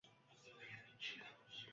Investment in Azerbaijan